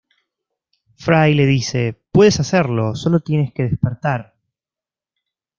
Fry le dice ""puedes hacerlo, solo tienes que despertar"".